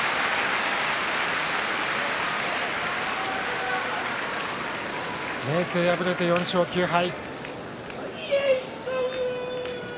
拍手明生、敗れて４勝９敗。